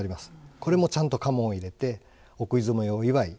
これもちゃんと家紋を入れてお食い初めを祝い